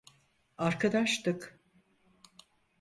Arkadaştık.